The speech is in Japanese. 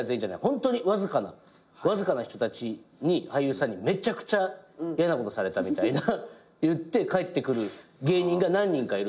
ホントにわずかなわずかな人たちに俳優さんにめちゃくちゃやなことされたみたいないって帰ってくる芸人が何人かいるんすよ。